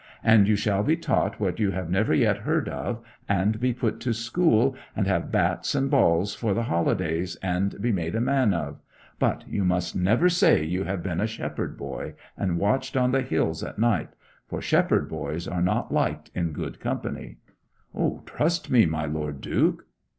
And you shall be taught what you have never yet heard of; and be put to school, and have bats and balls for the holidays, and be made a man of. But you must never say you have been a shepherd boy, and watched on the hills at night, for shepherd boys are not liked in good company. 'Trust me, my Lord Duke.'